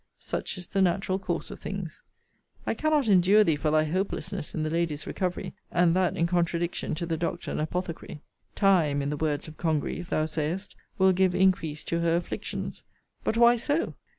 Such is the natural course of things. I cannot endure thee for thy hopelessness in the lady's recovery;* and that in contradiction to the doctor and apothecary. * See Letter XLVII. of this volume. Time, in the words of Congreve, thou sayest, will give increase to her afflictions. But why so?